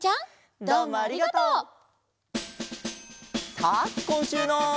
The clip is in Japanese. さあこんしゅうの。